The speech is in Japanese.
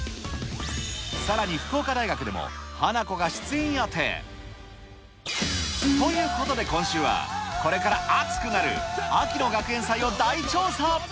さらに福岡大学でもハナコが出演予定。ということで、今週はこれから熱くなる秋の学園祭を大調査。